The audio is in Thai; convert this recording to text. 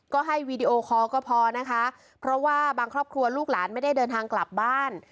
ก็ให้วีดีโอคอลก็พอนะคะเพราะว่าบางครอบครัวลูกหลานไม่ได้เดินทางกลับบ้าน